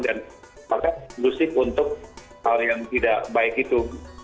dan makanya ilusif untuk hal yang tidak baik itu